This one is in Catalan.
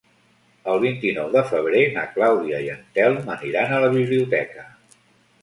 El vint-i-nou de febrer na Clàudia i en Telm aniran a la biblioteca.